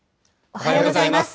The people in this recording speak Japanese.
おはようございます。